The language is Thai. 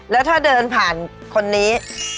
แล้วถ้าเดินผ่านคนนี้